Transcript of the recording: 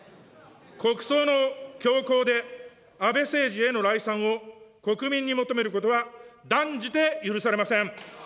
国葬の強行で安倍政治への礼賛を国民に求めることは断じて許されません。